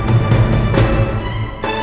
jangan lupa joko tingkir